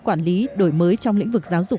quản lý đổi mới trong lĩnh vực giáo dục